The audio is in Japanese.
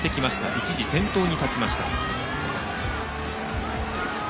一時は先頭に立ちました。